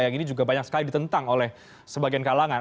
yang ini juga banyak sekali ditentang oleh sebagian kalangan